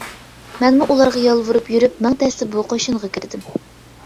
مەنمۇ ئۇلارغا يالۋۇرۇپ يۈرۈپ مىڭ تەستە بۇ قوشۇنغا كىردىم.